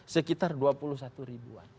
sekitar dua puluh satu ribuan